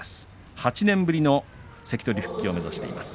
８年ぶりの関取復帰を目指しています。